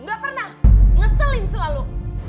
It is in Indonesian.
gak pernah ngeselin selalu